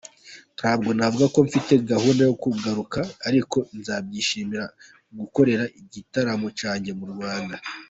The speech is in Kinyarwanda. Ntabwo navuga ko mfite gahunda yo kugaruka ariko nzabyishimira gukorera igitaramo cyanjye mu Rwanda.